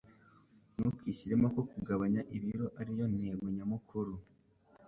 Ntukishyiremo ko kugabanya ibiro ari yo ntego nyamukuru,